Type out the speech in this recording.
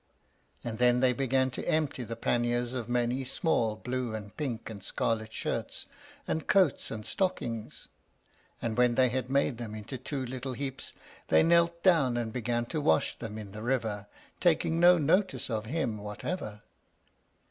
and then they began to empty the panniers of many small blue, and pink, and scarlet shirts, and coats, and stockings; and when they had made them into two little heaps they knelt down and began to wash them in the river, taking no notice of him whatever.